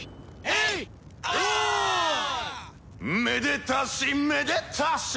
「めでたしめでたし！」